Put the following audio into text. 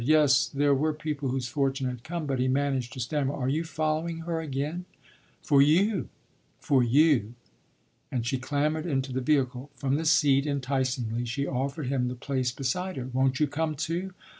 Yes, there were people whose fortune had come; but he managed to stammer: "Are you following her again?" "For you for you!" And she clambered into the vehicle. From the seat, enticingly, she offered him the place beside her. "Won't you come too?